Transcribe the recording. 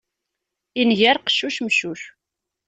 Inger qeccuc, meccuc.